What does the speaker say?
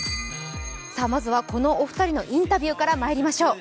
まずはこのお二人のインタビューからまいりましょう。